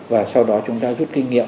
và sau đó chúng ta rút kinh nghiệm